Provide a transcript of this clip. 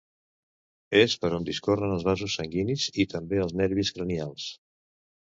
És per on discorren els vasos sanguinis i també els nervis cranials.